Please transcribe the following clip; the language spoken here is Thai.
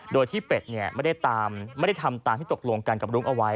โดยที่เป็ดไม่ได้ทำตามที่ตกลงกันกับรุ้งเอาไว้